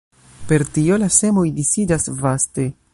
Per tio la semoj disiĝas vaste.